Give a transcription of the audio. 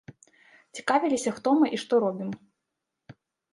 Цікавіліся, хто мы і што робім.